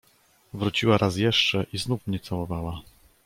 "Wróciła raz jeszcze i znów mnie całowała."